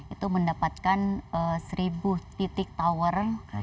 itu mendapatkan seribu titik tower